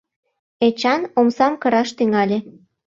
Эчан, омсам кыраш тӱҥале.